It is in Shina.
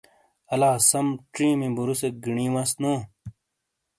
اَلا سَم چِیمی بُورُوسیک گِینی وَس نو۔